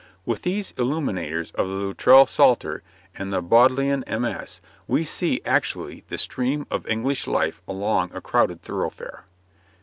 With these illuminators of the Loutrell Psalter and the Bodleian MS. we see actually the stream of English life along a crowded thoroughfare.